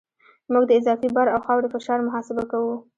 موږ د اضافي بار او خاورې فشار محاسبه کوو